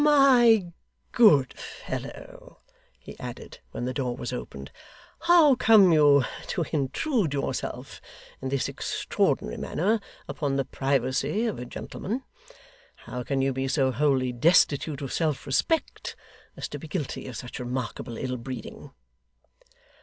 'My good fellow,' he added, when the door was opened, 'how come you to intrude yourself in this extraordinary manner upon the privacy of a gentleman? How can you be so wholly destitute of self respect as to be guilty of such remarkable ill breeding?